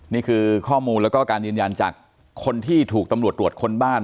นี่คือข้อมูลแล้วก็การยืนยันจากคนที่ถูกตำรวจตรวจคนบ้าน